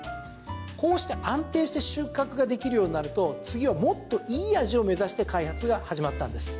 こうして安定して収穫ができるようになると次はもっといい味を目指して開発が始まったんです。